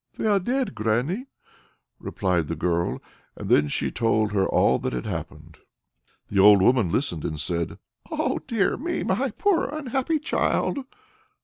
"They are dead, granny," replied the girl, and then told her all that had happened. The old woman listened, and said: "Oh dear me! my poor unhappy child!